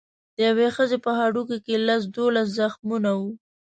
د یوې ښځې په هډوکو کې لس دولس زخمونه وو.